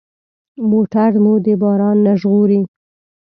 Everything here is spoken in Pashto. موټر مو د باران نه ژغوري.